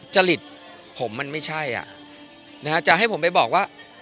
จริตผมมันไม่ใช่จะให้ผมไปบอกว่า